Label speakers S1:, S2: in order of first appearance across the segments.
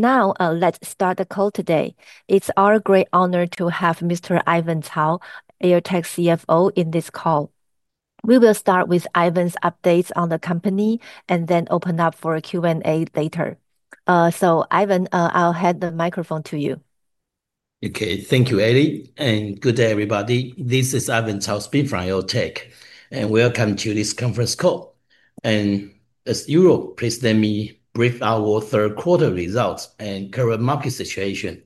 S1: Now let's start the call. Today it's our great honor to have Mr. Ivan Tsao, AirTAC CFO, in this call. We will start with Ivan's updates on the company and then open up for a Q and A later. Ivan, I'll hand the microphone to you.
S2: Okay. Thank you, Ally, and good day everybody. This is Ivan Tsao from AirTAC, and welcome to this conference call and as you know. Please let me brief our third quarter results and current market situation.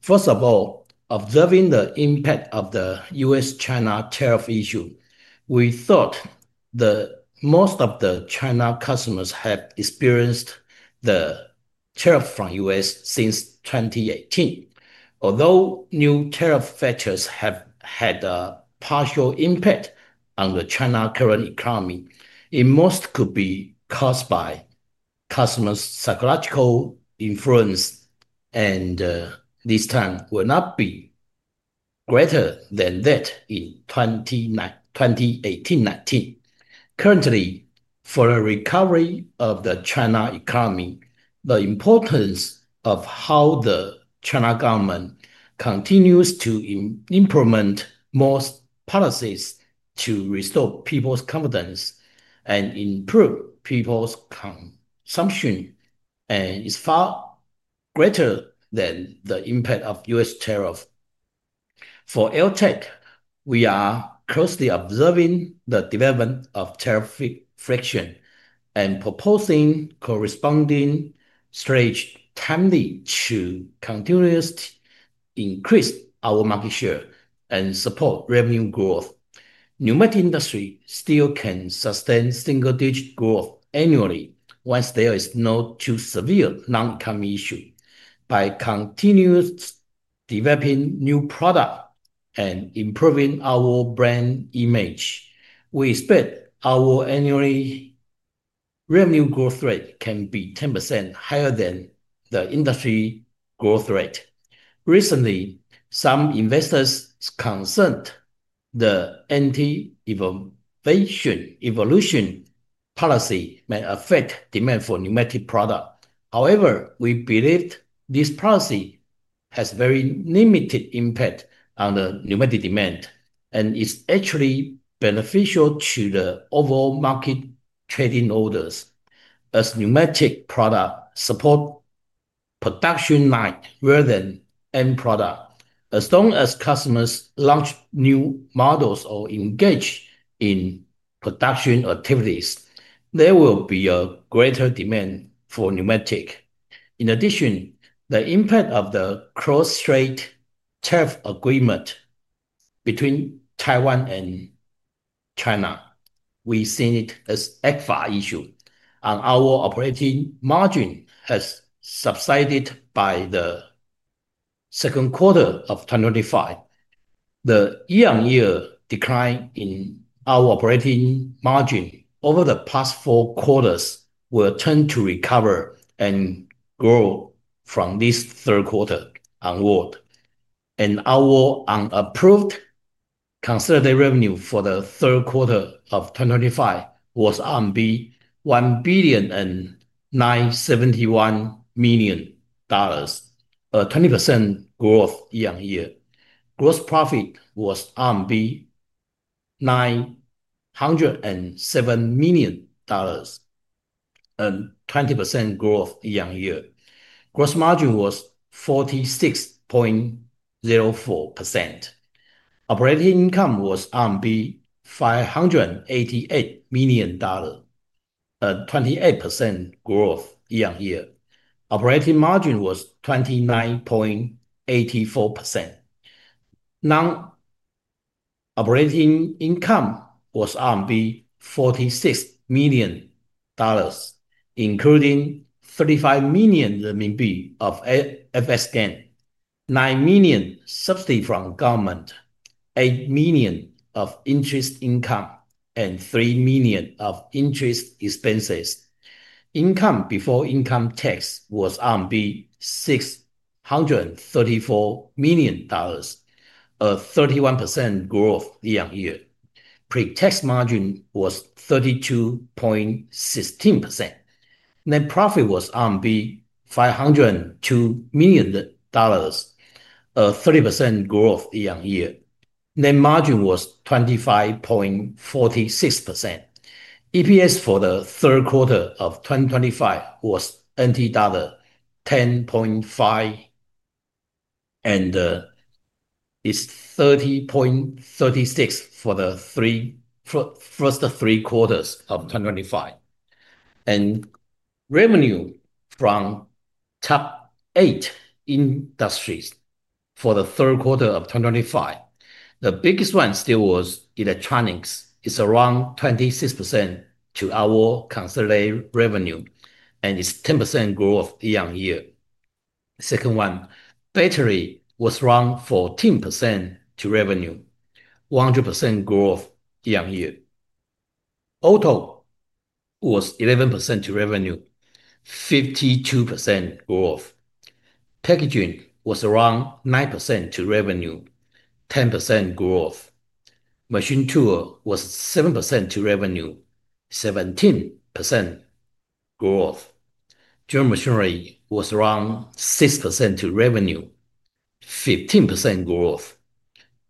S2: First of all, observing the impact of the U.S.-China tariff issue, we thought that most of the China customers have experienced the tariff from us since 2018. Although new tariff batches have had partial impact on the China current economy, it most could be caused by customers' psychological influence, and this time will not be greater than that in 2018-2019. Currently, for the recovery of the China economy, the importance of how the China government continues to implement more and more policies to restore people's confidence and improve people's consumption is far greater than the impact of U.S. tariff for AirTAC. We are closely observing the development of tariff friction and proposing corresponding strategy to continuously increase our market share and support revenue growth. Pneumatic industry still can sustain single-digit growth annually once there is no too severe long-term issue. By continuously developing new products and improving our brand image, we expect our annual revenue growth rate can be 10% higher than the industry growth rate. Recently, some investors concerned the anti-evolution policy may affect demand for pneumatic products. However, we believe this policy has very limited impact on the pneumatic demand and is actually beneficial to the overall market. Trading orders as pneumatic products support production line rather than end product. As long as customers launch new models or engage in production activities, there will be a greater demand for pneumatic. In addition, the impact of the cross-strait theft agreement between Taiwan and China, we see it as ECFA issue, and our operating margin has subsided by the second quarter of 2025. The year-on-year decline in our operating margin over the past four quarters will tend to recover and grow from this third quarter onward, and our unaudited consolidated revenue for the third quarter of 2025 was RMB 1.971 billion, 20% growth year on year. Gross profit was RMB 907 million and 20% growth year on year. Gross margin was 46.04%. Operating income was RMB 588 million, 28% growth year on year. Operating margin was 29.84%. Non-operating income was RMB 46 million, including 35 million RMB of FX gain, 9 million subsidy from government, 8 million of interest income, and 3 million of interest expenses. Income before income tax was on RMB 634 million, 31% growth year on year. Pre-tax margin was 32.16%. Net profit was RMB 502 million, 30% growth year on year. Net margin was 25.46%. EPS for the third quarter of 2025 was NT dollar 10.5 and is 30.36 for the first three quarters of 2025. Revenue from top eight industries for the third quarter of 2025, the biggest one still was electronics, is around 26% to our consolidated revenue and it's 10% growth year on year. Second one, battery, was around 14% to revenue, 100% growth year on year. Auto was 11% to revenue, 52% growth. Packaging was around 9% to revenue, 10% growth. Machine tool was 7% to revenue, 17% growth. German machinery was around 6% to revenue, 15% growth.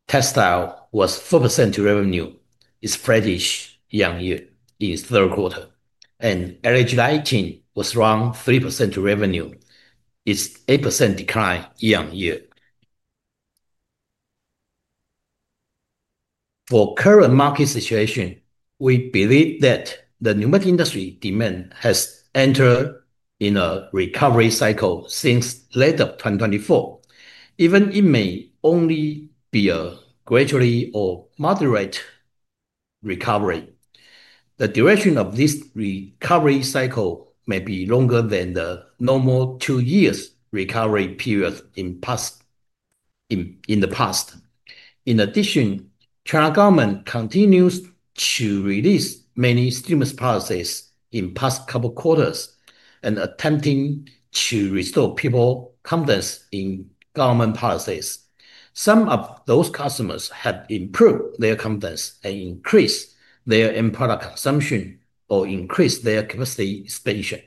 S2: Textile was 4% revenue. It's flattish year on year in third quarter and early July 18 was around 3% revenue. It's 8% decline year on year. For current market situation, we believe that the pneumatic industry demand has entered in a recovery cycle since late of 2024. Even it may only be a gradually or moderate recovery. The duration of this recovery cycle may be longer than the normal two years recovery period in the past. In addition, China government continues to release many stimulus policies in past couple quarters and attempting to restore people confidence in government policies. Some of those customers have improved their confidence and increased their end product consumption or increased their capacity expansion.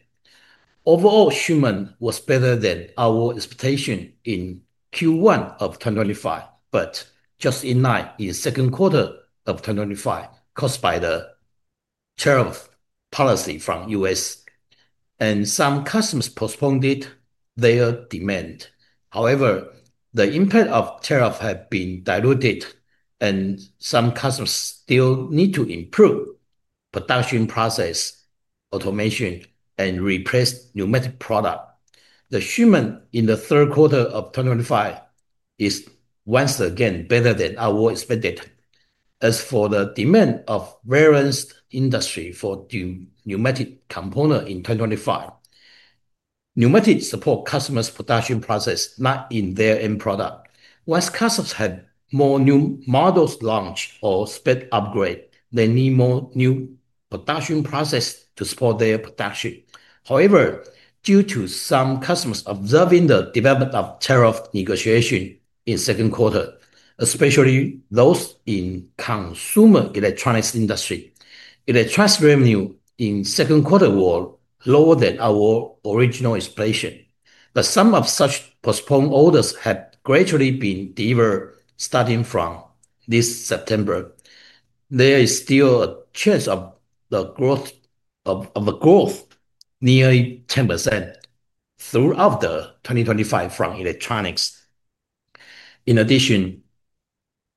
S2: Overall human was better than our expectation in Q1 of 2025 but just in line in second quarter of 2025 caused by the tariff policy from U.S. and some customers postponed their demand. However, the impact of tariff have been diluted and some customers still need to improve production process automation and replace pneumatic product. The achievement in the third quarter of 2025 is once again better than our expected. As for the demand of variance industry for pneumatic component in 2025, pneumatic support customers production process not in their end product. What causes had more new models launch or speed upgrade. They need more new production processes to support their production. However, due to some customers observing the development of tariff negotiation in second quarter, especially those in consumer electronics industry, electronics revenue in second quarter was lower than our original inspiration, but some of such postponed orders had grown gradually being delivered. Starting from this September, there is still a chance of the growth of the growth nearly 10% throughout 2025 from electronics. In addition,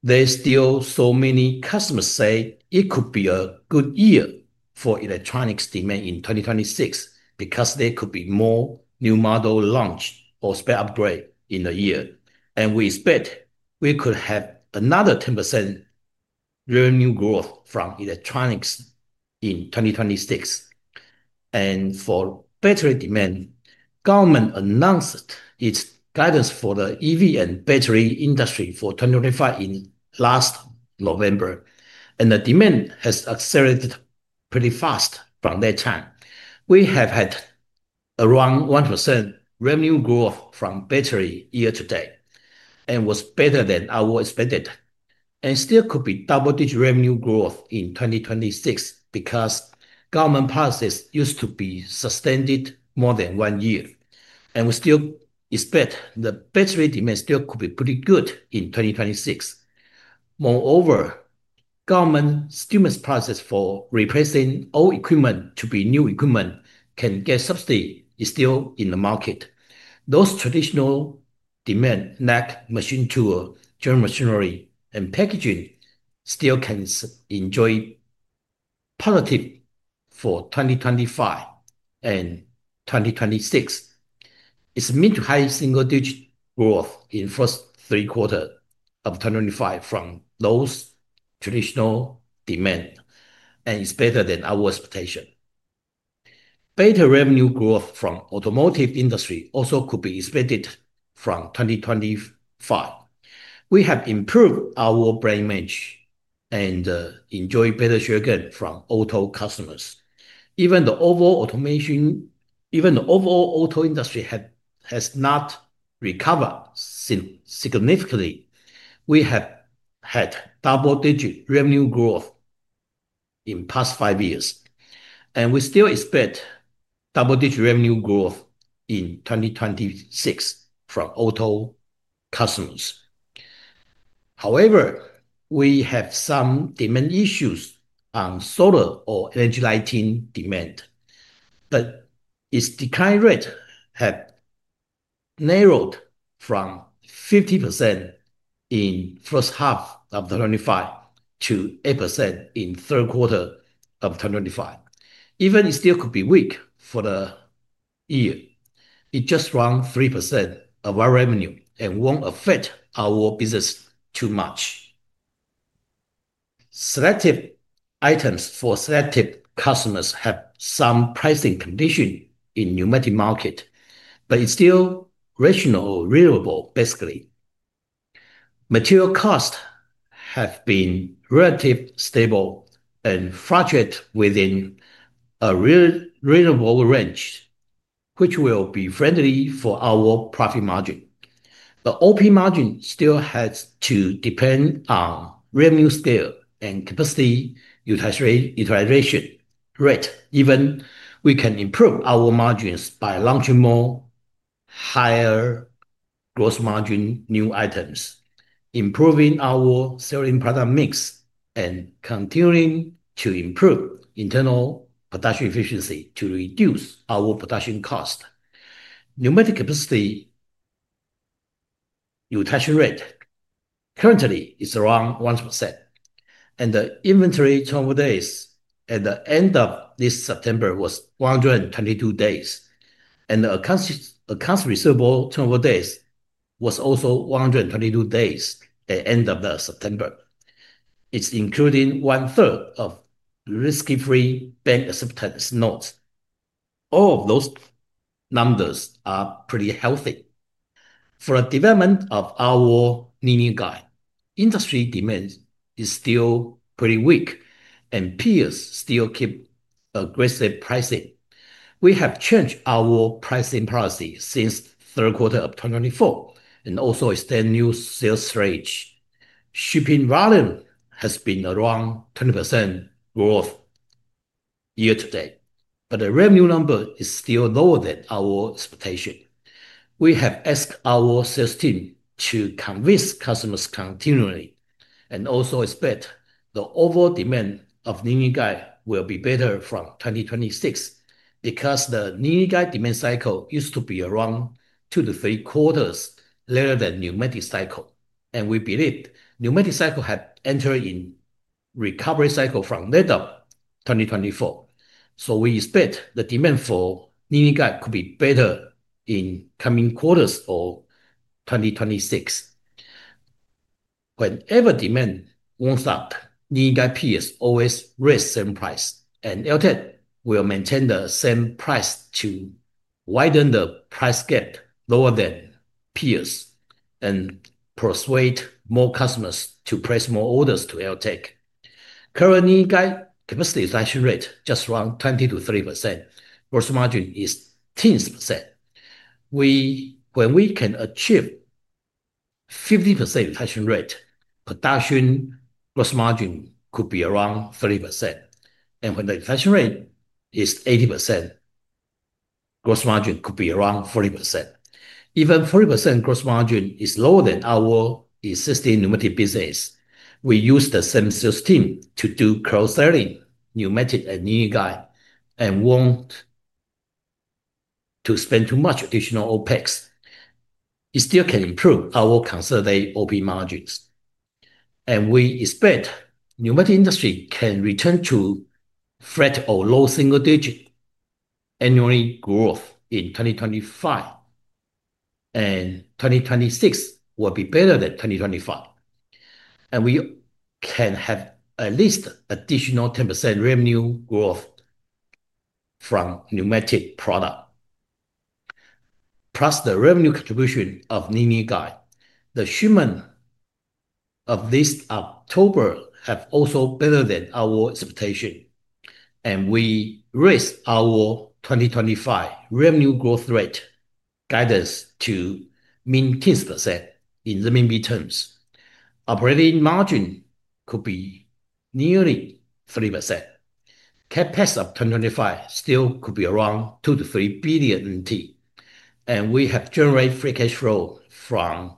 S2: there's still so many customers say it could be a good year for electronics demand in 2026 because there could be more new model launch or spare upgrade in a year and we expect we could have another 10% revenue growth from electronics in 2026. For battery demand, government announced its guidance for the EV and battery industry for 2025 in last November and the demand has accelerated pretty fast from that time. We have had around 1% revenue growth from battery year to date and was better than our expected and still could be double digit revenue growth in 2026 because government process used to be sustained more than one year and we still expect the battery demand still could be pretty good in 2026. Moreover, government stimulus process for replacing old equipment to be new equipment can get subsidy is still in the market. Those traditional demand like machine tool, German machinery and packaging still can enjoy positive for 2025 and 2026. It's mid to high single digit growth in first three quarter from those traditional demand and is better than our expectation. Beta revenue growth from automotive industry also could be expected from 2025. We have improved our brand match and enjoy better sh from auto customers. Even the overall automation, even the overall auto industry has not recovered significantly. We have had double digit revenue growth in past five years and we still expect double digit revenue growth in 2026 from auto customers. However, we have some demand issues on solar or energy lighting demand, but its decline rate had narrowed from 50% in first half of 2025 to 8% in third quarter of 2025. Even it still could be weak for the year. It just around 3% of our revenue and won't affect our business too much. Selective items for selective customers have some pricing condition in pneumatic market, but it's still rational reliable. Basically, material cost have been relative stable and fragile within a reasonable range which will be friendly for our profit margin. The operating margin still has to depend on revenue scale and capacity utilization rate. Even we can improve our margins by launching more higher gross margin new items, improving our selling product mix, and continuing to improve internal production efficiency to reduce our production cost, and pneumatic capacity utilization rate currently is around 1%. The inventory turnover days at the end of this September was 122 days, and the account receivable turnover days was also 122 days at the end of September. It's including 1/3 of risk-free bank acceptance notes. All of those numbers are pretty healthy for a development of our linear guide industry. Demand is still pretty weak, and peers still keep aggressive pricing. We have changed our pricing policy since third quarter of 2024 and also extend new sales range. Shipping volume has been around 20% growth year to date, but the revenue number is still lower than our expectation. We have asked our sales team to convince customers continually and also expect the overall demand of linear guide will be better from 2026 because the linear guide demand cycle used to be around two to three quarters later than pneumatic cycle. We believe that pneumatic cycle have entered in recovery cycle from 2024. We expect the demand for linear guide could be better in coming quarters or 2026. Whenever demand warms up, linear guide peers is always raise same price and AirTAC will maintain the same price to widen the price gap lower than peers and persuade more customers to place more orders to AirTAC. Currently, capacity reduction rate just around 20%-30%. Gross margin is 10%. When we can achieve 50% utilization rate, production gross margin could be around 30%, and when the utilization rate is 80%, gross margin could be around 40%. Even 40% gross margin is lower than our existing pneumatic business. We use the same sales team to do cross-selling pneumatic and linear guide and want to spend too much additional OpEx. It still can improve our consolidated operating margins, and we expect pneumatic industry can return to flat or low single digit annually. Growth in 2025 and 2026 will be better than 2025, and we can have at least additional 10% revenue growth from pneumatic product plus the revenue contribution of linear guide. The shipment of this October have also better than our expectation, and we raised our 2025 revenue growth rate guidance to mean 10% in the mini terms. Operating margin could be nearly 3%. CapEx of 2025 still could be around 2 billion-3 billion NT, and we have generated free cash flow from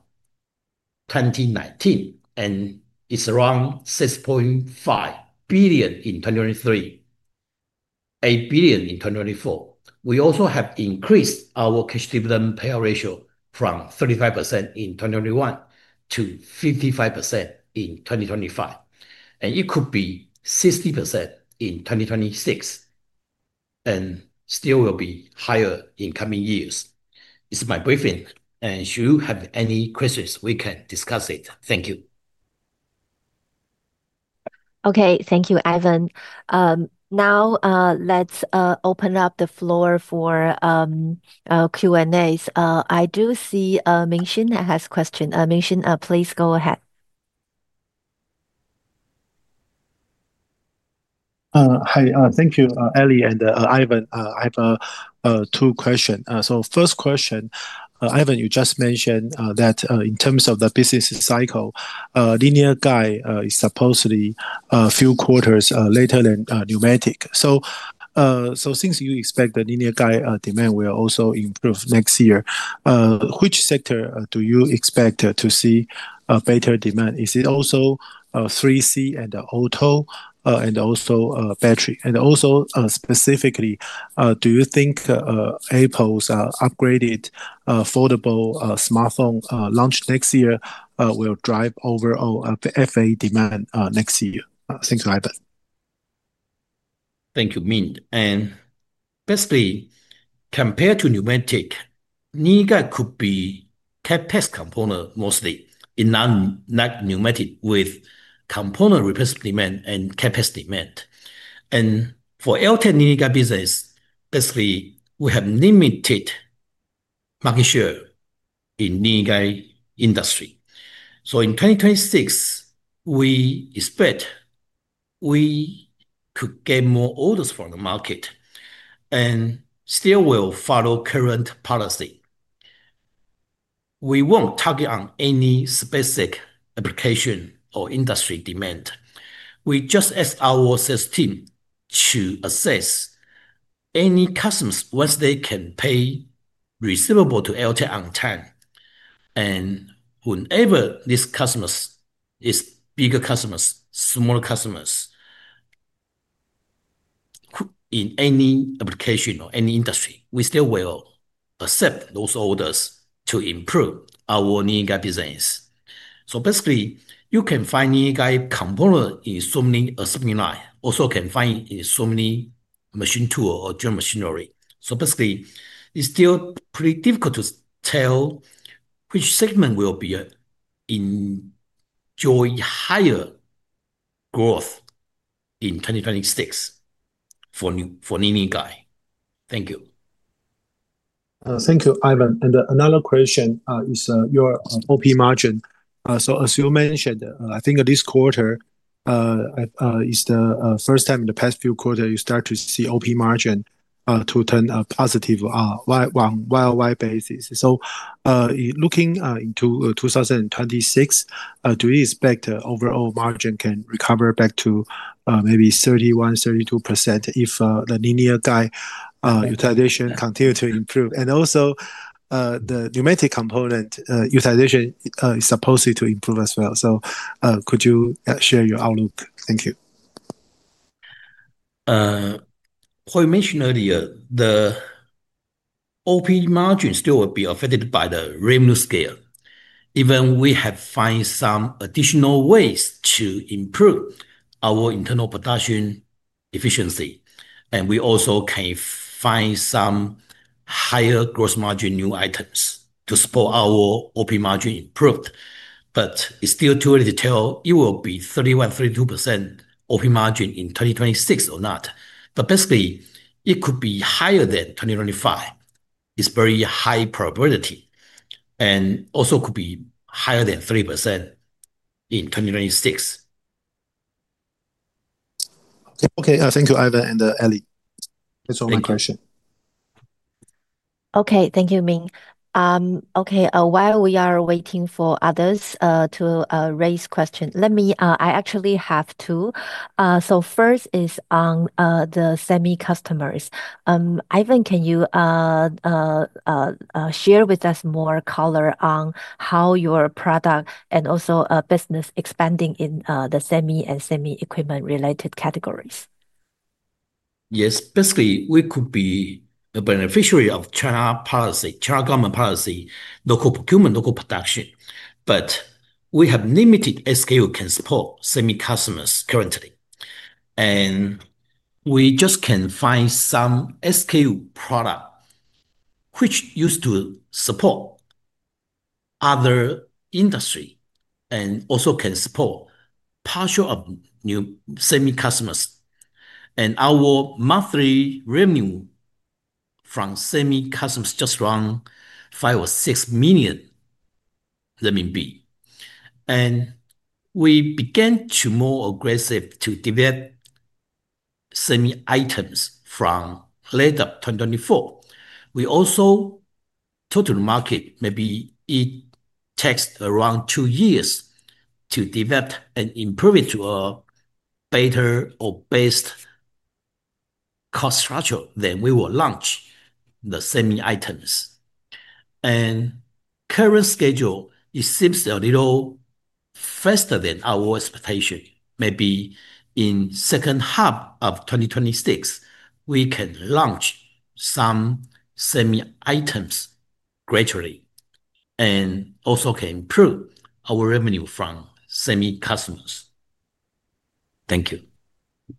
S2: 2019, and it's around 6.5 billion in 2023, 8 billion in 2024. We also have increased our cash dividend payout ratio from 35% in 2021 to 55% in 2025, and it could be 60% in 2026 and still will be higher in coming years. This is my briefing, and if you have any questions we can discuss it. Thank you.
S1: Okay, thank you, Ivan. Now let's open up the floor for Q and A. I do see Mingxin has a question. Mingxin, please go ahead. Hi. Thank you, Ally and Ivan. I have two questions. First question, Ivan, you just mentioned that in terms of the business cycle linear guide is supposedly a few quarters later than pneumatic, so since you expect the linear guide demand will also improve next year, which sector do you expect to see better demand? Is it also 3C and auto and also battery, and also specifically, do you think Apple's upgraded affordable smartphone launched next year will drive overall FAA demand next year? Thanks Ivan.
S2: Thank you Ming, and basically compared to pneumatic, linear guide could be CapEx component mostly in non-pneumatic with component replacement demand and capacity demand. For AirTAC linear guide business, basically we have limited market share in linear guide industry, so in 2026 we expect we could get more orders from the market and still will follow current policy. We won't target on any specific application or industry demand. We just ask our sales team to assess any customers once they can pay receivable to LT on time, and whenever these customers is bigger customers, small customers. In. Any application or any industry we still will accept those orders to improve our pneumatic components business. Basically, you can find pneumatic components in so many seminars and also can find in so many machine tool or German machinery. Basically, it's still pretty difficult to tell which segment will enjoy higher growth in 2026 for new for pneumatic components. Thank you. You, Ivan, and another question is your op margin. As you mentioned, I think this quarter is the first time in the past few quarters you start to see op margin turn a positive Y basis. Looking into 2026, do you expect overall margin can recover back to maybe 31%-32% if the linear guide utilization continues to improve and also the pneumatic component utilization is supposed to improve as well? Could you share your outlook? Thank you. Hu mentioned earlier the operating margin still will be affected by the revenue scale even we have find some additional ways to improve our internal production efficiency, and we also can find some higher gross margin new items to support our operating margin improved, but it's still too early to tell it will be 31%-32% operating margin in 2026 or not. Basically, it could be higher than 2025, it's very high probability, and also could be higher than 3% in 2026. Okay, thank you Ivan and Ally, that's all my question.
S1: Okay, thank you Ming. Okay, while we are waiting for others to raise questions, let me, I actually have two. So first is on the semi customers. Ivan, can you share with us more color on how your product and also business expanding in the semi and semiconductor equipment related categories?
S2: Yes, basically we could be a beneficiary of China government policy, local procurement, local production. We have limited SKU can support semi customers currently and we just can find some SKU product which used to support other industry and also can support partial of new semi customers. Our monthly revenue from semi customers just around 5 million or 6 million renminbi. We began to be more aggressive to develop semi items from later 2024. We also total market maybe it takes around two years to develop and improve it to a better or based cost structure. We will launch the semi items and current schedule it seems a little faster than our expectation. Maybe in the second half of 2026 we can launch some semi items gradually and also can improve our revenue from semi customers. Thank you.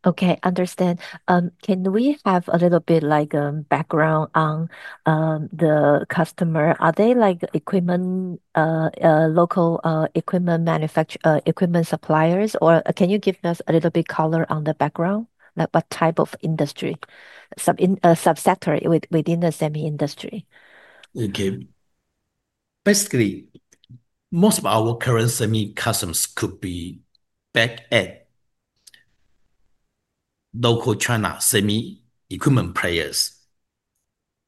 S1: Okay, understand. Can we have a little bit like a background on the customer? Are they like local equipment manufacturer, equipment suppliers, or can you give us a little bit color on the background, like what type of industry subsidiary within the semi industry?
S2: Okay. Basically, most of our current semi customs could be back at local China semiconductor equipment players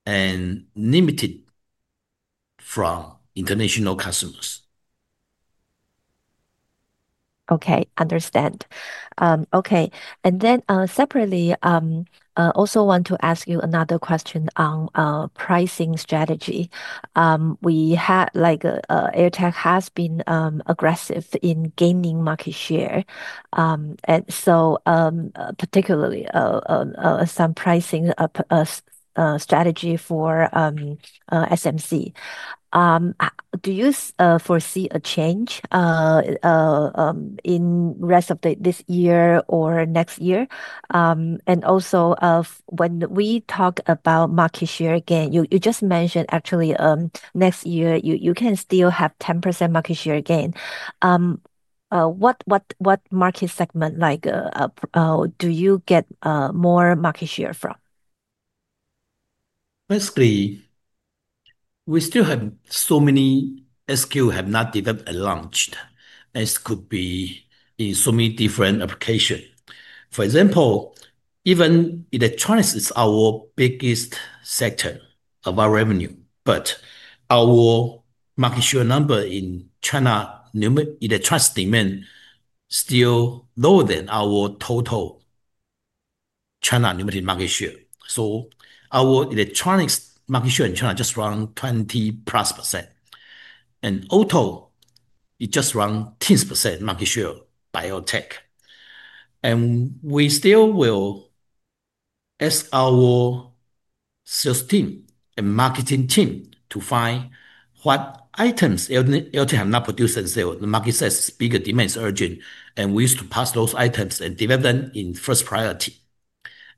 S2: and limited from international customers.
S1: Okay, understand. Okay. I also want to ask you another question on pricing strategy. AirTAC has been aggressive in gaining market share, and particularly some pricing strategy for SMC. Do you foresee a change in the rest of this year or next year? Also, when we talk about market share again, you just mentioned actually next year you can still have 10% market share gain. What. What. What market segment do you get more market share from?
S2: Basically we still have so many SQ have not developed and launched as could be in so many different application. For example, even electronics is our biggest sector of our revenue, but our market share number in China electronics demand still lower than our total China limited market share. Our electronics market share in China just around 20%+ and auto it just run 10% market share by AirTAC and we still will ask our sales team and marketing team to find what items AirTAC have not produced and sell. The market says bigger demands urgent and we used to pass those items and develop them in first priority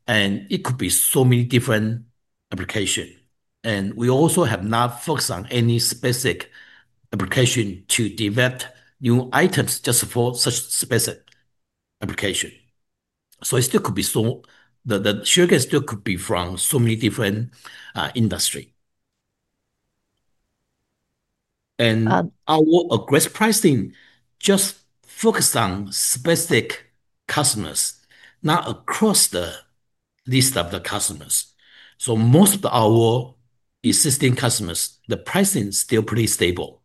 S2: and it could be so many different application and we also have not focused on any specific application to develop new items just for such specific application. It still could be so the sugarcase still could be from so many different industry and our aggressive pricing just focused on specific customers not across the list of the customers. Most our existing customers the pricing is still pretty stable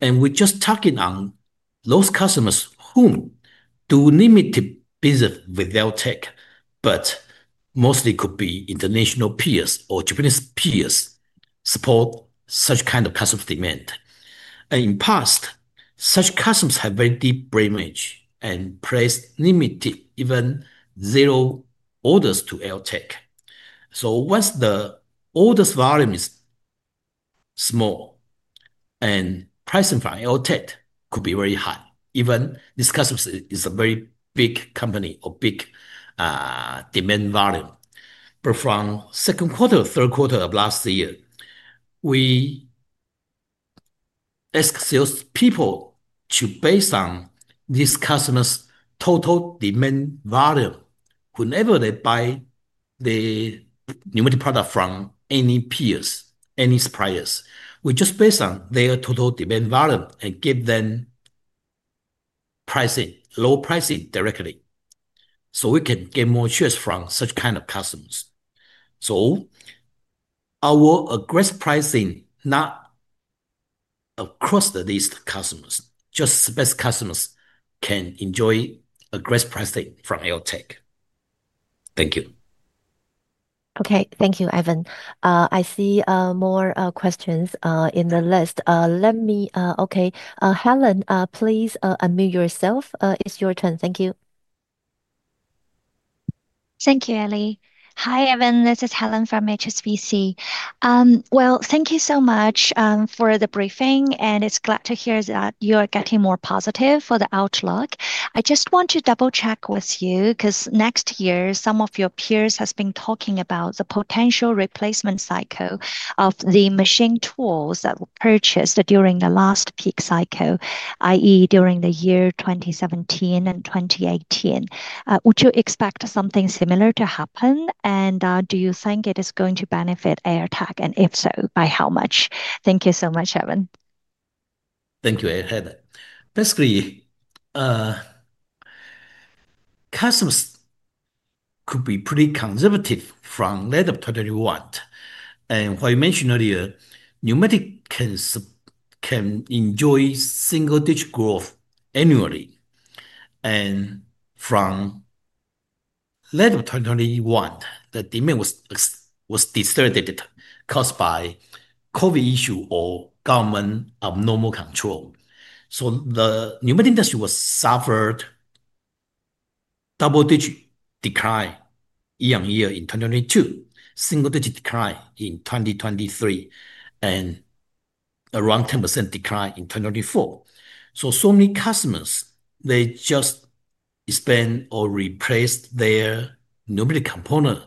S2: and we're just talking on those customers whom do limited business with AirTAC. Mostly could be international peers or Japanese peers support such kind of customer demand in past such customers have very deep brain age and place limited even zero orders to AirTAC. Once the orders volume is small and pricing for AirTAC could be very high. Even this custom is a very big company or big demand volume. From second quarter, third quarter of last year, we ask sales people to base them these customers total demand volume whenever they buy the pneumatic product from any peers, any suppliers. We just based on their total demand volume and give them pricing low prices directly so we can get more choice from such kind of customers. Our aggressive pricing not across the list customers, just the best customers can enjoy a great price tag from AirTAC. Thank you.
S1: Okay, thank you, Ivan. I see more questions in the list. Helen, please unmute yourself, it's your turn. Thank you.
S3: Thank you, Ally. Hi, Ivan, this is Helen from HSBC. Thank you so much for the briefing, and it's glad to hear that you are getting more positive for the outlook. I just want to double check with you because next year some of your peers have been talking about the potential replacement cycle of the machine tools that were purchased during the last peak cycle, that is during the year 2017 and 2018. Would you expect something similar to happen, and do you think it is going to benefit AirTAC, and if so, by how much? Thank you so much, Ivan.
S2: Thank you. Basically, customers could be pretty conservative. From late 2021 and what I mentioned earlier, pneumatic can enjoy single digit growth annually. From late 2021, the demand was deserted, caused by COVID issue or government abnormal control. The human industry suffered double digit decline year on year in 2022, single digit decline in 2023, and around 10% decline in 2024. Many customers just spend or replace their pneumatic component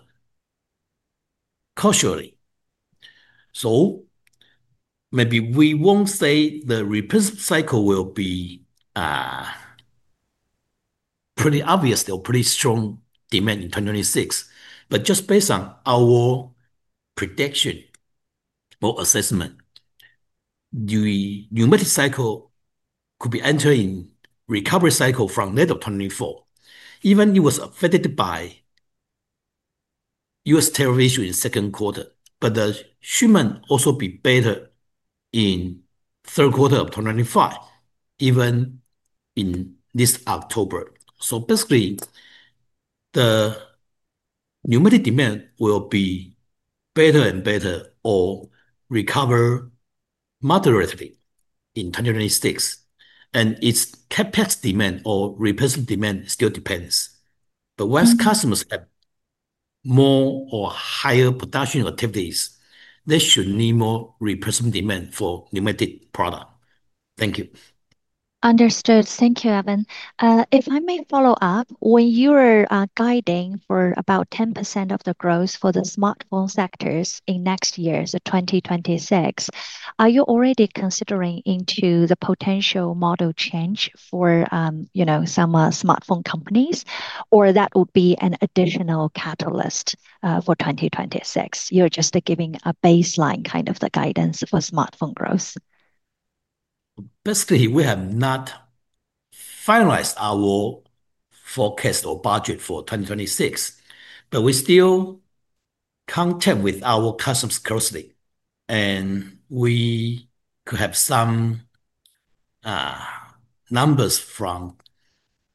S2: casually. Maybe we won't say the replacement cycle will be pretty obvious, they're pretty strong demand in 2026. Just based on our prediction or assessment, the pneumatic cycle could be entering recovery cycle from net of 2024 even if it was affected by U.S. television in second quarter. The human also be better in third quarter of 2025 even in this October. Basically, the pneumatic demand will be better and better or recover moderately in 2026 and its CapEx demand or repurchase demand still depends. Once customers have more or higher production activities, they should need more replacement demand for pneumatic product. Thank you.
S3: Understood. Thank you, Ivan. If I may follow up, when you are guiding for about 10% of the growth for the smartphone sectors in next year 2026, are you already considering the potential model change for, you know, some smartphone companies, or would that be an additional catalyst for 2026? You're just giving a baseline kind of the guidance for smartphone growth.
S2: Basically, we have not finalized our forecast or budget for 2026, but we still contact with our customers closely, and we could have some numbers from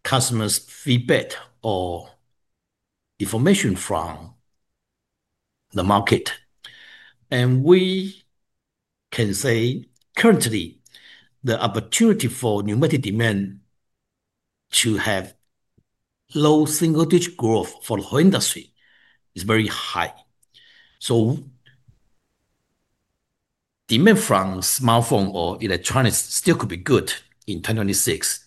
S2: customers' feedback or information from the market. We can say currently the opportunity for pneumatic demand to have low single digit growth for the whole industry is very high. Demand from smartphone or electronics still could be good in 2026.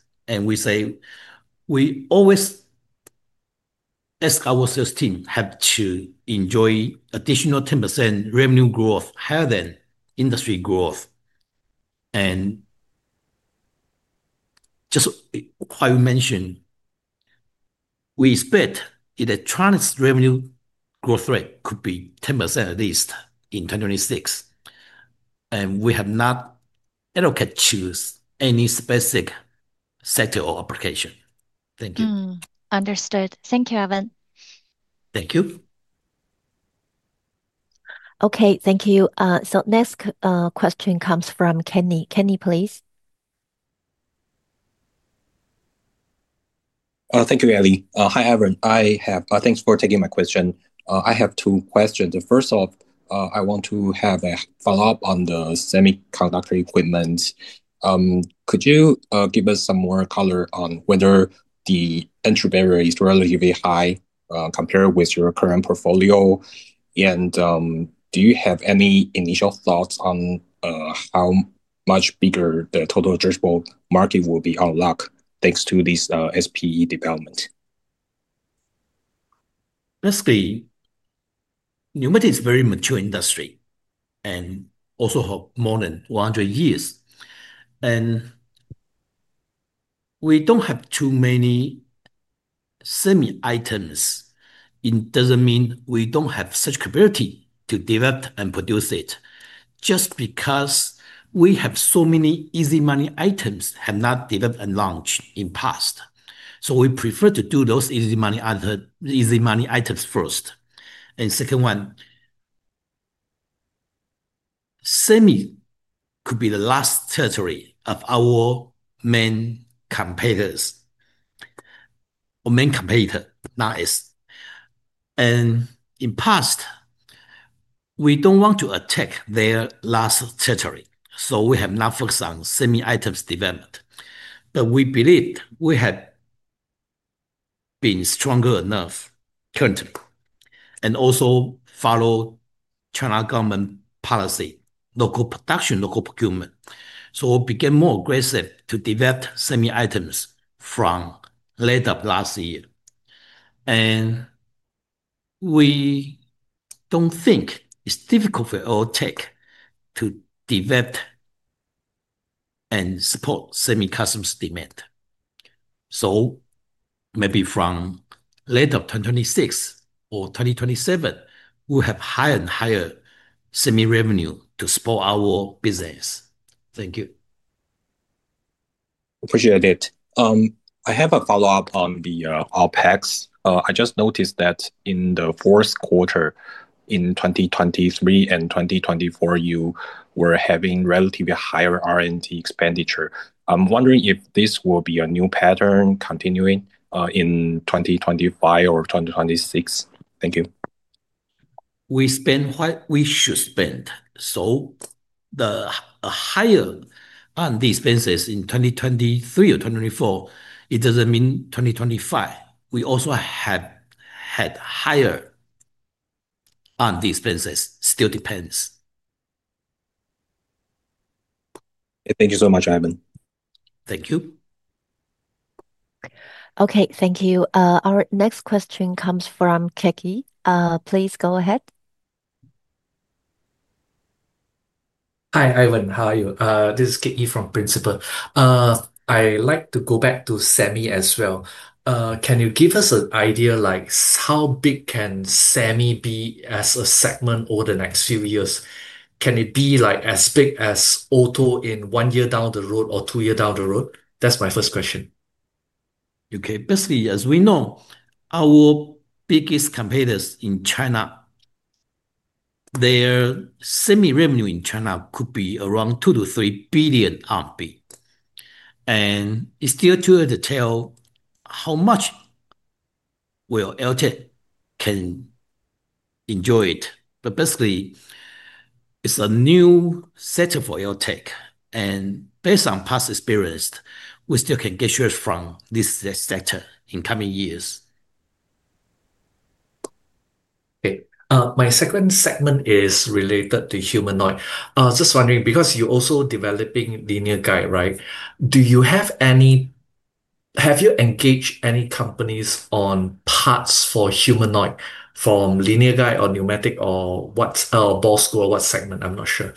S2: We always ask our sales team to enjoy additional 10% revenue growth higher than industry growth, and just mention we expect electronics revenue growth rate could be 10% at least in 2026, and we have not allocated or chosen any specific sector or application. Thank you.
S3: Understood. Thank you Ivan.
S2: Thank you.
S1: Okay, thank you. The next question comes from Kenny. Kenny, please. Thank you. Ally. Hi, Ivan, thanks for taking my question. I have two questions. First off, I want to have a follow-up on the semiconductor equipment. Could you give us some more color on whether the entry barrier is relatively high compared with your current portfolio, and do you have any initial thoughts on how much bigger the total addressable market will be unlocked thanks to this SPE development?
S2: Pneumatic is a very mature industry and also have more than 100 years and we don't have too many semi items. It doesn't mean we don't have such capability to develop and produce, it's just because we have so many easy money items have not developed and launched in past, so we prefer to do those easy money other easy money items first, and second one, semi could be the last territory of our main competitors or main competitor. Now it's, and in past we don't want to attack their last territory, so we have not focused on semi items development, but we believe we have been stronger enough currently and also follow China government policy, local production, local procurement, so became more aggressive to develop semi items from late up last year, and we don't think it's difficult for AirTAC to develop and support semi customs demand. Maybe from late of 2026 or 2027 we'll have higher and higher semi revenue to support our business. Thank you. Appreciate it. I have a follow up on the OpEx. I just noticed that in the fourth quarter in 2023 and 2024 you were having relatively higher R&D expenditure. I'm wondering if this will be a new pattern continuing in 2025 or 2026. Thank you. We spend what we should spend. The higher on these business in 2023 or 2024, it doesn't mean 2025. We also have had higher on these expenses. Still depends. Thank you so much, Ivan. Thank you.
S1: Okay, thank you. Our next question comes from KekYee. Please go ahead.
S4: Hi Ivan, how are you? This is KekYee from Principal. I like to go back to semi as well. Can you give us an idea like how big can semi be as a segment over the next few years? Can it be like as big as auto in one year down the road or two years down the road? That's my first question.
S2: Okay, basically, as we know our biggest competitors in China, their semi revenue in China could be around 2 billion-3 billion RMB. It's still too detailed how much AirTAC can enjoy it. Basically, it's a new setup for AirTAC, and based on past experience, we still can get shares from this sector in coming years.
S4: My second segment is related to humanoid. I was just wondering because you also developing linear guide, right? Do you have any, have you engaged any companies on parts for humanoid from linear guide or pneumatic or what? Ball screw or what segment? I'm not sure.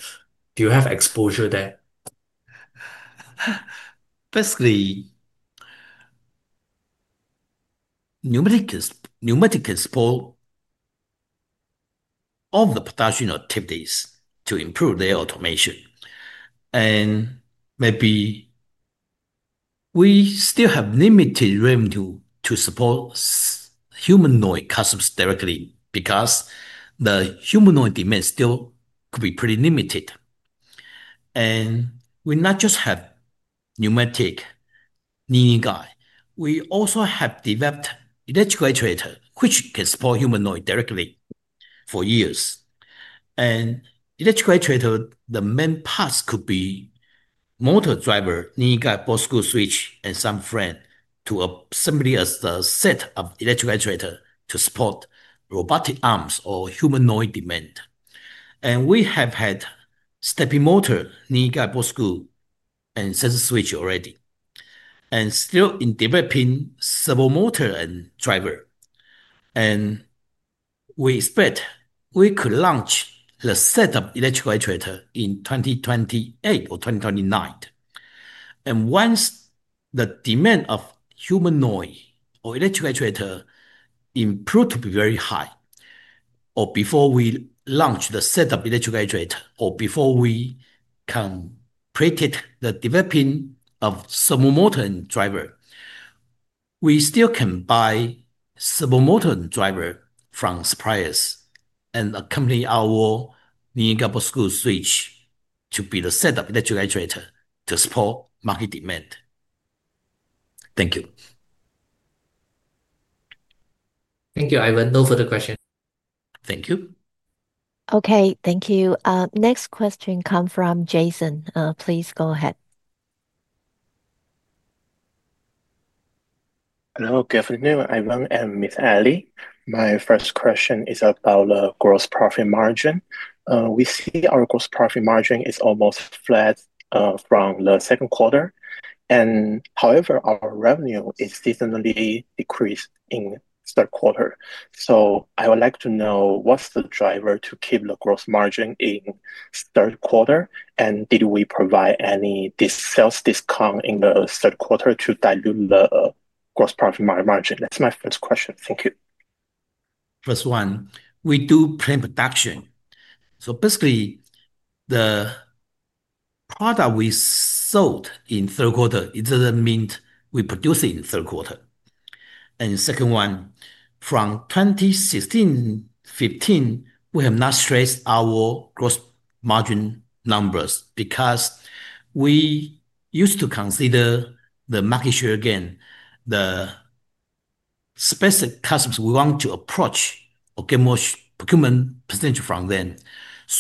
S4: Do you have exposure there?
S2: Pneumatic pull all the production activities to improve their automation. Maybe we still have limited room to support humanoid customers directly because the humanoid demand still could be pretty limited. We not just have pneumatic, linear guide. We also have developed electric actuators which can support humanoid directly for years, and electric actuators. The main part could be motor, driver, screw, switch, and some frame to simply as the set of electric actuator to support robotic arms or humanoid demand. We have had stepping motor, linear guide, and sensor switch already, and still in developing servo motor and driver. We expect we could launch the set of electric actuators in 2028 or 2029. Once the demand of humanoids or electric actuators improves to be very high, or before we launch the set of electric actuators, or before we complete the developing of servo motor and driver, we still can buy servo motor driver from suppliers and accompany our linear guide, screw, switch to be the set that you graduated to support market demand. Thank you.
S4: Thank you, Ivan. No further question.
S2: Thank you.
S1: Okay, thank you. Next question comes from Jason. Please go ahead. Hello, good afternoon everyone and Ms. Ally. My first question is about gross profit margin. We see our gross profit margin is almost flat from the second quarter. However, our revenue is seasonally decreased in the third quarter. I would like to know what's the driver to keep the gross margin in the third quarter, and did we provide any sales discount in the third quarter to dilute the gross profit margin? That's my first question. Thank you.
S2: First one, we do plant production. Basically, the product we sold in the third quarter doesn't mean we produce in the third quarter. Second one, from 2015 to 2016, we have not stressed our gross margin numbers because we used to consider the market share, again, the specific customers we want to approach or get more procurement potential from them.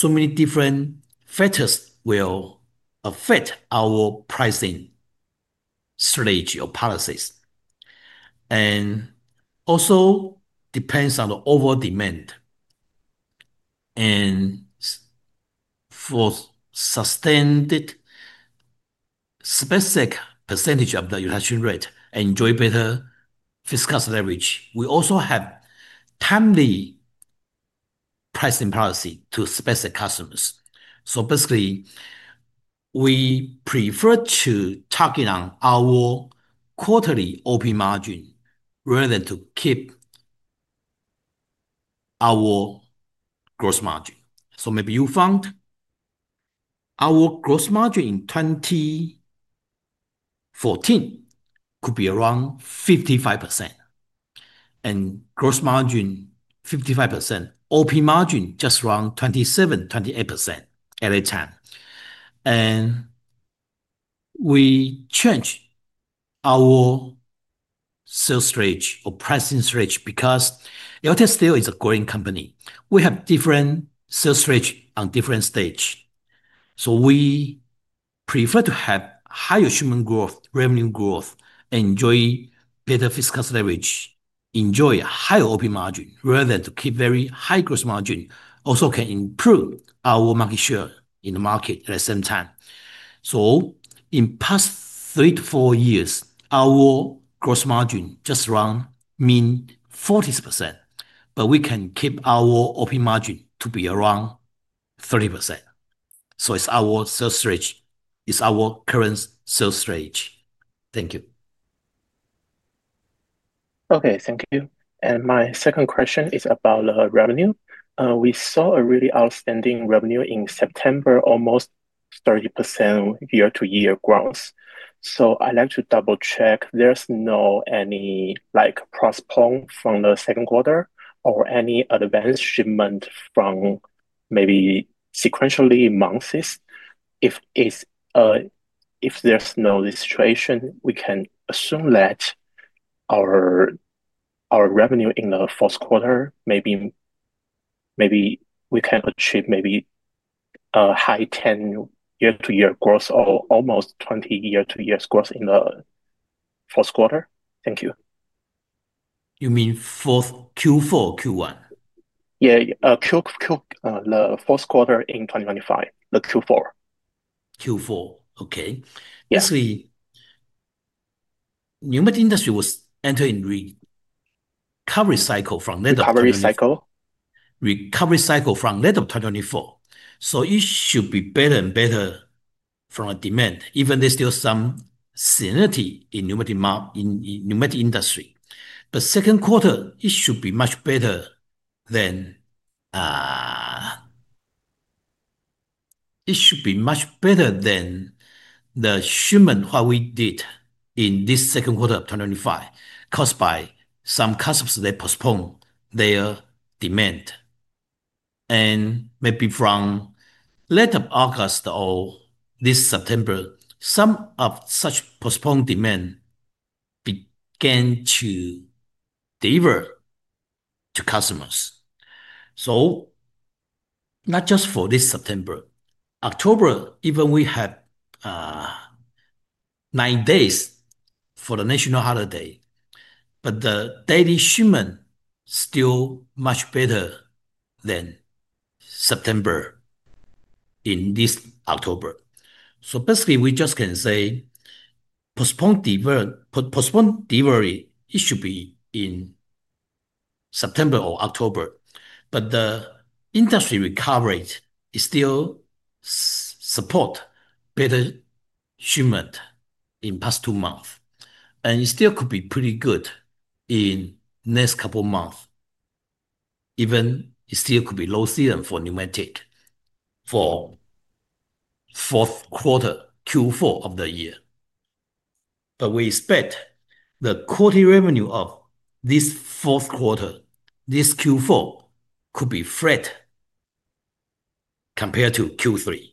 S2: Many different factors will affect our pricing strategy or policies. It also depends on the overall demand, and for sustained specific percentage of the election rate, enjoy better fiscal leverage. We also have timely pricing policy to specific customers. Basically, we prefer to target our quarterly operating margin rather than to keep our gross margin. Maybe you found our gross margin in 2020 or 2014 could be around 55%, and gross margin 55%, operating margin just around 27%-28% at that time. We change our sales range or pricing stretch because AirTAC still is a growing company, we have different sales range on different stage. We prefer to have higher human growth, revenue growth, enjoy better fiscal leverage, enjoy higher operating margin rather than to keep very high gross margin. Also can improve our market share in the market at the same time. In the past three to four years, our gross margin just around mean 40%, but we can keep our operating margin to be around 30%. It's our sales range. It's our current sales range. Thank you. Okay, thank you. My second question is about revenue. We saw a really outstanding revenue in September, almost 30% year to year growth. I like to double check. There's no any postpone from the second quarter or any advanced shipment from maybe sequentially months. If there's no situation, we can assume. That. Our revenue in the fourth quarter maybe we can achieve maybe a high 10% year-to-year growth or almost 20% year-to-year growth in the fourth quarter. Thank you. You mean Q4, Q1. Yeah, the fourth quarter in 2025. Q4. Okay. Yes, we industry was entering recovery cycle from late 2024. It should be better and better from a demand even there's still some sanity in pneumatic industry. The second quarter it should be much better than. It should be much better than the shipment. What we did in this second quarter of 2025 caused by some customers they postpone their demand. Maybe from late August or this September, some of such postponed demand began to deliver to customers. Not just for this September, October even we had nine days for the national holiday, but the daily shipment still much better than September in this October. Basically we just can say postponed, postpone delivery, it should be in September or October. The industry recovery is still support better human in past two months. It still could be pretty good in next couple months even it still could be low season for pneumatic for fourth quarter Q4 of the year. We expect the quarterly revenue of this fourth quarter this Q4 could be flat compared to Q3.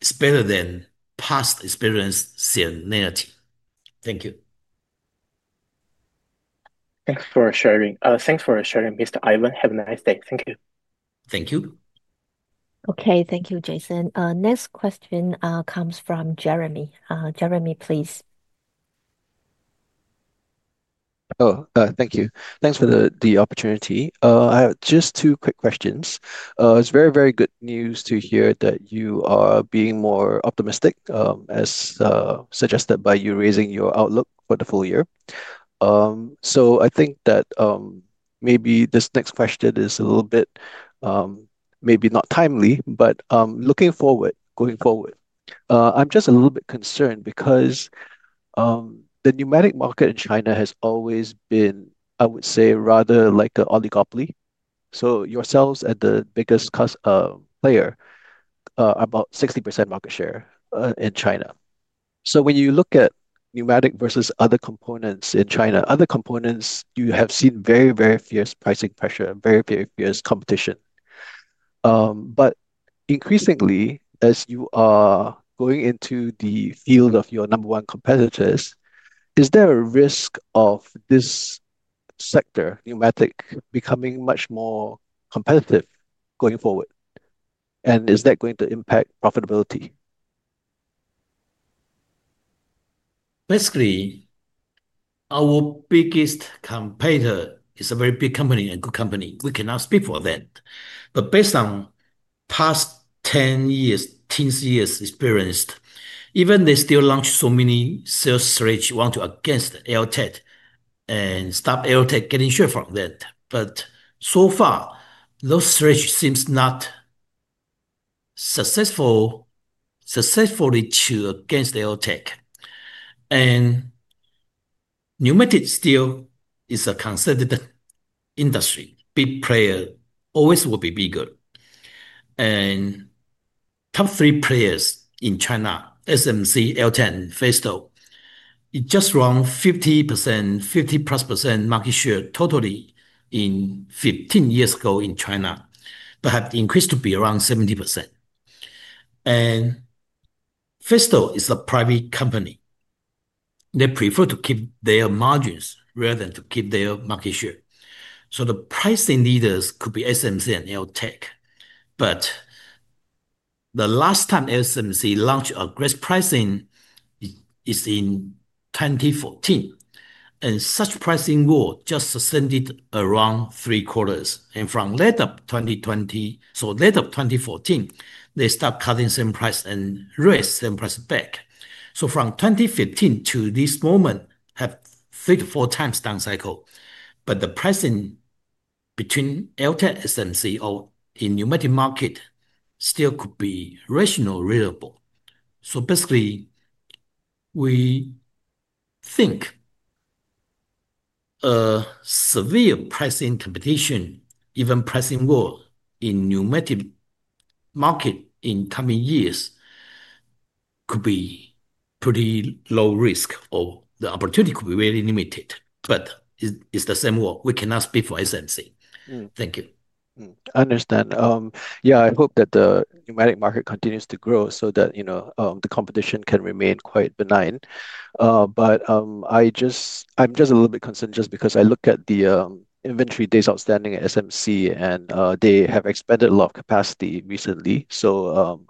S2: It's better than past experience similar. Thank you. Thanks for sharing. Thanks for sharing, Mr. Ivan. Have a nice day. Thank you. Thank you.
S1: Okay, thank you, Jason. Next question comes from Jeremy. Jeremy, please. Oh, thank you. Thanks for the opportunity. I have just two quick questions. It's very, very good news to hear that you are being more optimistic as suggested by you raising your outlook for the full year. I think that maybe this next question is a little bit, maybe not timely, but looking forward going forward, I'm just a little bit concerned because the pneumatic market in China has always been, I would say, rather like an oligopoly, so yourselves as the biggest player, about 60% market share in China. When you look at pneumatic versus other components in China, other components, you have seen very, very fierce pricing pressure, very fierce competition. Increasingly, as you are going into the field of your number one competitors, is there a risk of this sector, pneumatic, becoming much more competitive going forward, and is that going to impact profitability?
S2: Basically our biggest competitor is a very big company, a good company, we cannot speak for that. Based on past 10 years, years experienced, even they still launch so many sales strategies want to against AirTAC and stop AirTAC getting share from that. So far those strategies seem not successful to against AirTAC. Pneumatic still is considered industry big player always will be bigger and top three players in China, SMC, AirTAC, Festo, just run 50%, 50%+ market share totally in 15 years ago in China, perhaps increased to be around 70%. Festo is a private company, they prefer to keep their margins rather than to keep their market share. The pricing leaders could be SMC and AirTAC. The last time SMC launched a price pricing is in 2014 and such pricing war just ascended around three or four and from late up 2020, so late of 2014 they start cutting same price and raise same price back. From 2015 to this moment have three to four times down cycle. The pricing between AirTAC, SMC or in pneumatic market still could be rational readable. Basically we think severe pricing competition, even pricing war in pneumatic market in coming years could be pretty low risk or the opportunity could be very limited. It's the same work. We cannot speak for SMC. Thank you. Understand. Yeah. I hope that pneumatic market continues to grow so that you know the competition can remain quite benign. I'm just a little bit concerned just because I look at the inventory days outstanding at SMC and they have expanded a lot of capacity recently.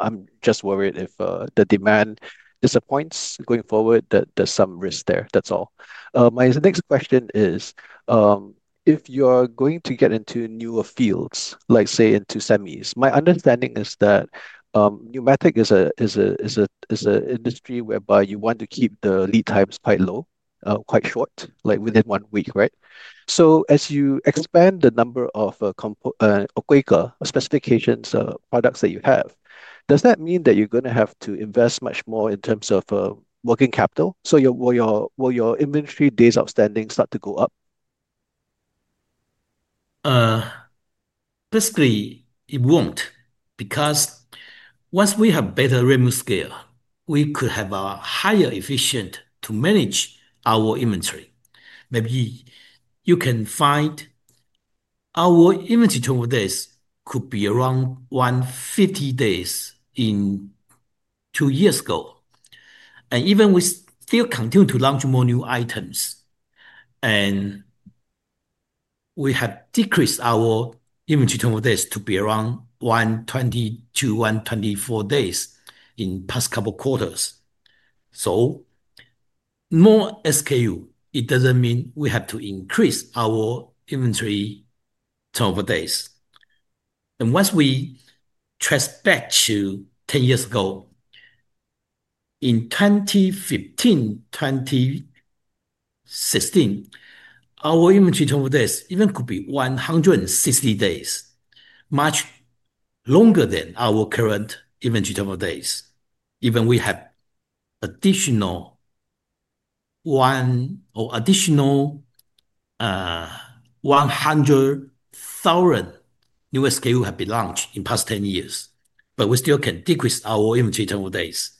S2: I'm just worried if the demand disappoints going forward that there's some risk there, that's all. My next question is if you're going to get into newer fields like say into semis. My understanding is that pneumatic is an industry whereby you want to keep the lead times quite low, quite short, like within one week. Right. As you expand the number of specifications products that you have, does that mean that you're going to have to invest much more in terms of working capital? Will your inventory days outstanding start to go up? Basically it won't because once we have better remove scale, we could have a higher efficient to manage our inventory. Maybe you can find our inventory over this could be around 150 days in two years ago, and even we still continue to launch more new items, and we have decreased our inventory term of this to be around 120-124 days in past couple quarters. More SKU doesn't mean we have to increase our inventory turnover days. Once we trackback to 10 years ago in 2015, 2016, our inventory terminal days even could be 160 days, much longer than our current inventory terminal days, even we have additional one or additional 100,000 new SKU have been launched in past 10 years. We still can decrease our inventory days.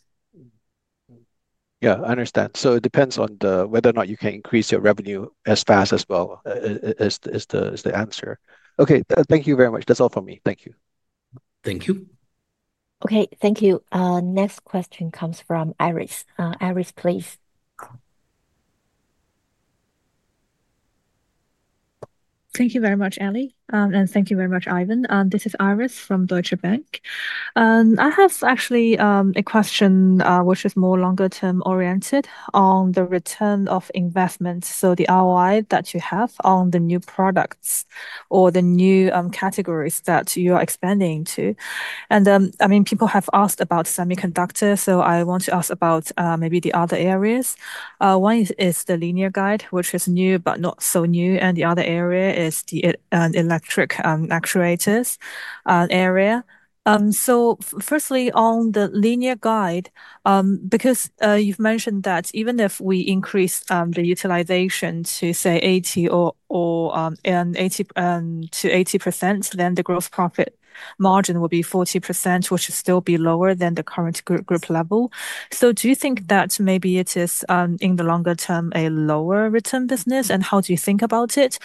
S2: I understand. It depends on whether or not you can increase your revenue as fast as well, is the answer. Thank you very much. That's all for me, thank you. Thank you.
S1: Okay, thank you. Next question comes from Iris. Iris, please.
S5: Thank you very much, Ally, and thank you very much, Ivan. This is Iris from Deutsche Bank. I have actually a question which is more longer term oriented on the return of investment. The ROI that you have on the new products or the new categories that you are expanding to, and I mean people have asked about semiconductor. I want to ask about maybe the other areas. One is the linear guide, which is new but not so new, and the other area is the electric actuators area. Firstly, on the linear guide, because you've mentioned that even if we increase the utilization to say 80% or 80%, then the gross profit margin will be 40%, which should still be lower than the current group level. Do you think that maybe it is in the longer term a lower return business, and how do you think about it?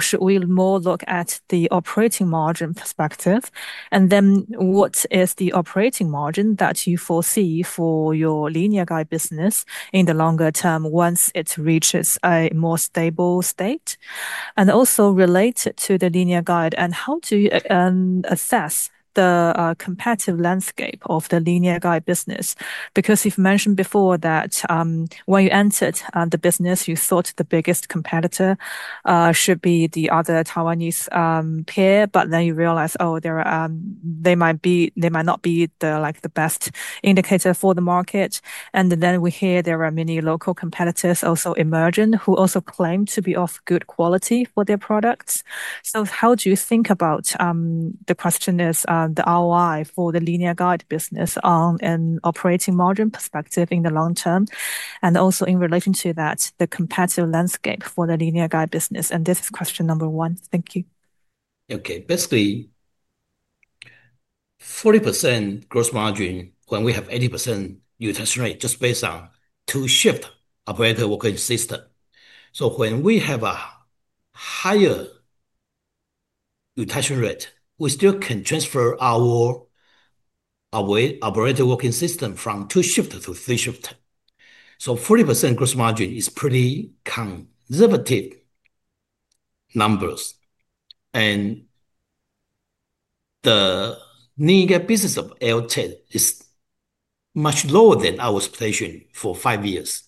S5: Should we more look at the operating margin perspective? What is the operating margin that you foresee for your linear guide business in the longer term once it reaches a more stable state? Also related to the linear guide and how to assess the competitive landscape of the linear guide business, because you've mentioned before that when you entered the business you thought the biggest competitor should be the other Taiwanese pair, but then you realize they might not be the best indicator for the market. We hear there are many local competitors also emerging who also claim to be of good quality for their products. How do you think about the question: is the ROI for the linear guide business on an operating margin perspective in the long term, and also in relation to that, the competitive landscape for the linear guide business? This is question number one. Thank you.
S2: Okay, basically 40% gross margin when we have 80% utilization rate just based on two shift operator working system. When we have a higher utilization rate, we still can transfer our operated working system from 2 shift to 3 shift. 40% gross margin is pretty conservative numbers. The new business of AirTAC is much lower than our expectation for five years.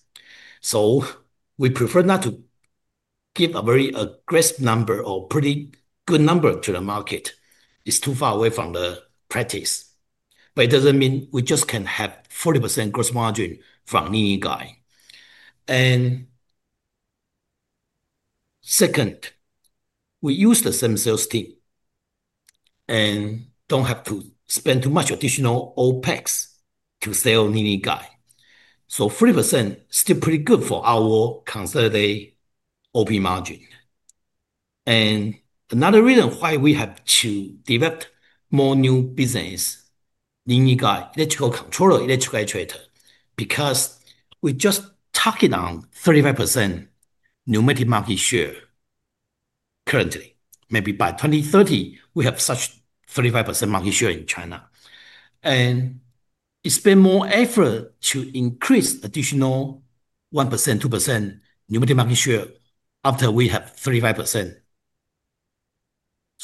S2: We prefer not to give a very aggressive number or pretty good number to the market as it is too far away from the practice. It doesn't mean we just can have 40% gross margin from linear guide. Second, we use the same sales team and don't have to spend too much additional OpEx to sell linear guide. 3% is still pretty good for our consolidated operating margin. Another reason why we have to develop more new business, electrical controller, electric actuators, is because we are just talking on 35% pneumatic market share currently. Maybe by 2030 we have such 35% market share in China and it takes more effort to increase additional 1% or 2% pneumatic market share after we have 35%.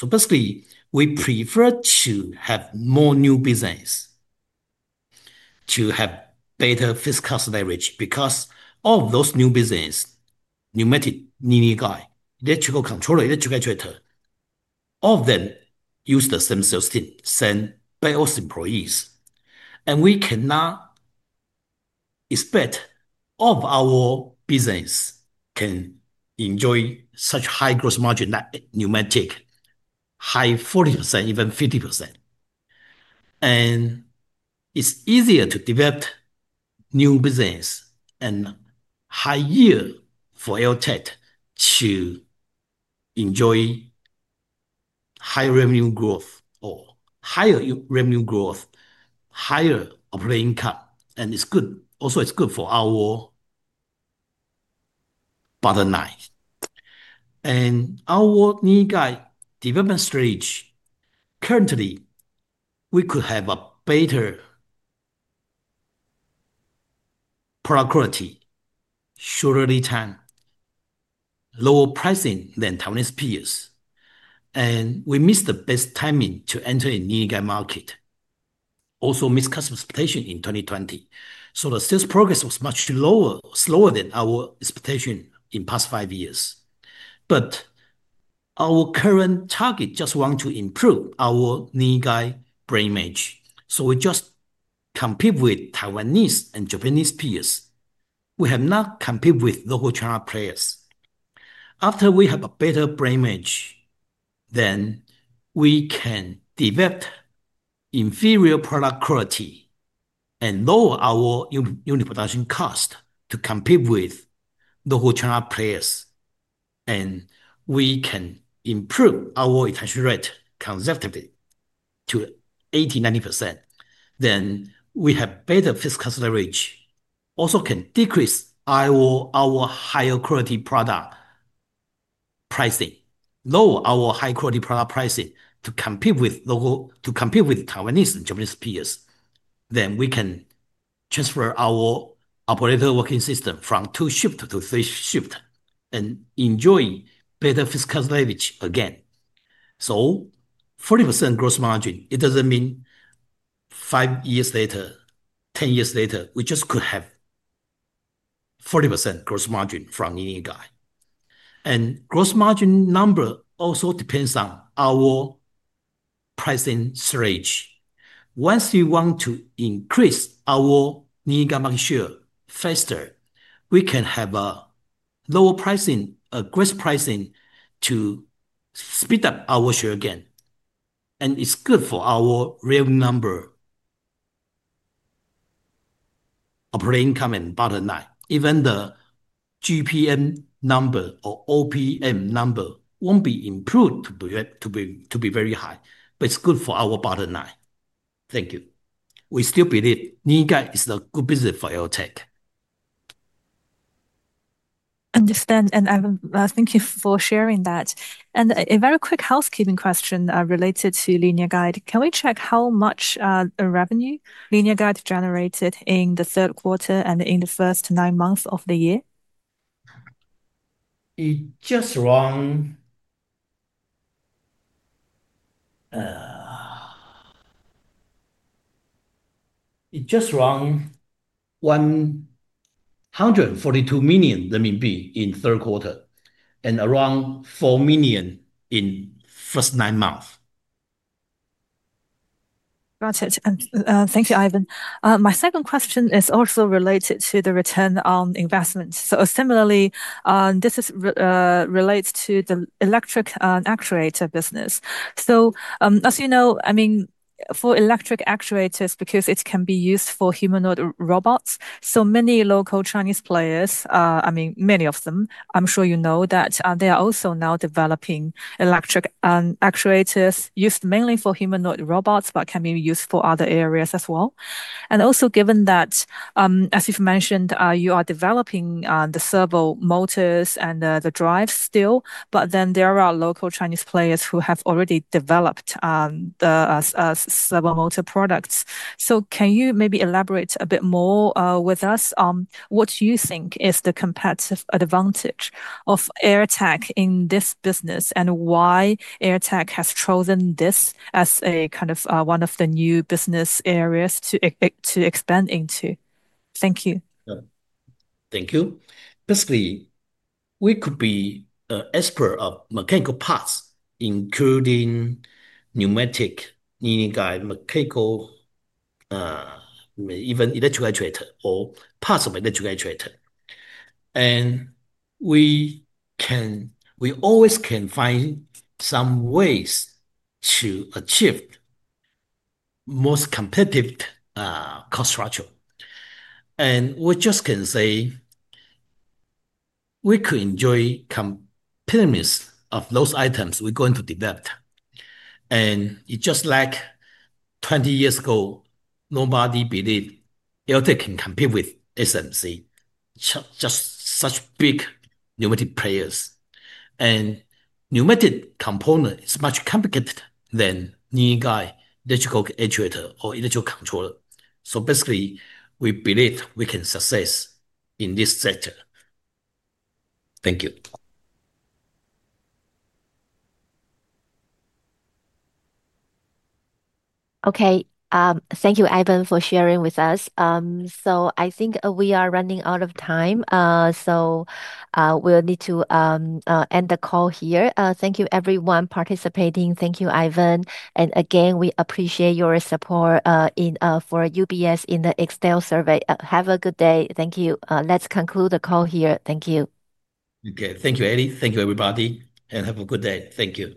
S2: Basically, we prefer to have more new business to have better fiscal leverage because all those new business pneumatic, linear guide, electrical controller, electric actuators, all of them use the same sales team, same base employees, and we cannot expect all of our business can enjoy such high gross margin. Pneumatic high 40%, even 50%, and it's easier to develop new business and higher for AirTAC to enjoy high revenue growth or higher revenue growth, higher operating cut and it's good. Also, it's good for our linear guide and our linear guide development stage. Currently, we could have a better product quality, shorter return, lower pricing than Taiwanese peers and we missed the best timing to enter a linear guide market. Also, mixed customer expectation in 2020 so the sales progress was much slower than our expectation in past five years. Our current target just wants to improve our linear guide brand image so we just compete with Taiwanese and Japanese peers. We have not competed with local China players. After we have a better brand image, then we can develop inferior product quality and lower our unit production cost to compete with the local China players. If we can improve our attention rate conservatively to 80% or 90%, then we have better fiscal leverage. Also, we can decrease our high quality product pricing to compete with Taiwanese and Japanese peers. We can transfer our operator working system from two shifts to three shifts and enjoy better fiscal leverage again. A 40% gross margin doesn't mean five years later or ten years later we just could have a 40% gross margin from any guy. The gross margin number also depends on our pricing strategy. If you want to increase our market share faster, we can have a lower pricing to speed up our share again. It's good for our real number, operating income, and bottleneck. Even if the GPM number or OPM number won't be improved to be very high, it's good for our bottom line. Thank you. We still believe pneumatic components is a good business for AirTAC.
S5: Understand and thank you for sharing that. A very quick housekeeping question related to linear guide. Can we check how much revenue linear guide generated in the third quarter and in the first nine months of the year?
S2: It just runs. It just ran 142 million renminbi in the third quarter and around 4 million in the first nine months.
S5: Got it. Thank you, Ivan. My second question is also related to the return on investment. This relates to the electric actuator business. As you know, for electric actuators, because it can be used for humanoid robots, many local Chinese players, many of them, I'm sure you know, are also now developing electric actuators used mainly for humanoid robots, but can be used for other areas as well. Also, given that, as you've mentioned, you are developing the servo motors and the drives still, there are local Chinese players who have already developed the servo motor products. Can you maybe elaborate a bit more with us on what you think is the competitive advantage of AirTAC in this business and why AirTAC has chosen this as one of the new business areas to expand into? Thank you.
S2: Thank you. Basically we could be expert of mechanical parts, including pneumatic, kneeling, mechanical, even electric actuator or parts of electric hydrator. We always can find some ways to achieve most competitive cost structure. We just can say we could enjoy competitive pyramids of those items we're going to develop. It's just like 20 years ago nobody believed AirTAC can compete with SMC. Just such big numerative players. Pneumatic component is much complicated than new guy electric actuator or electric controller. Basically we believe we can success in this sector. Thank you.
S1: Okay, thank you Ivan for sharing with us. I think we are running out of time, so we'll need to end the call here. Thank you everyone participating. Thank you, Ivan, and again we appreciate your support for UBS in the Excel survey. Have a good day. Thank you. Let's conclude the call here. Thank you.
S2: Okay, thank you, Ally. Thank you everybody and have a good day. Thank you.